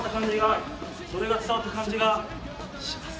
それが伝わった感じがします。